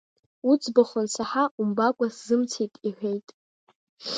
Уӡбахә ансаҳа умбакәа сзымцеит, – иҳәеит.